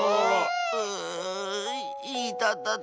ううういたたた。